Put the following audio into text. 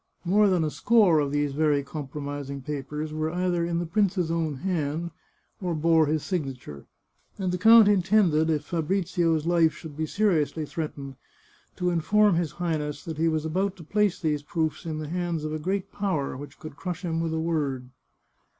More than a score of these very compromising papers were either in the prince's own hand or bore his signature, and the count intended, if Fabrizio's life should be seriously threatened, to inform his Highness that he was about to place these proofs in the hands of a great Power which could crush him with a word.